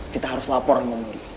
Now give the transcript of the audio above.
kita harus lapor sama bondi